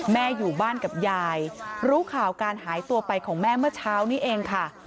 อยู่บ้านกับยายรู้ข่าวการหายตัวไปของแม่เมื่อเช้านี้เองค่ะ